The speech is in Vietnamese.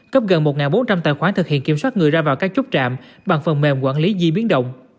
cấp gần một bốn trăm linh tài khoản thực hiện kiểm soát người ra vào các chốt trạm bằng phần mềm quản lý di biến động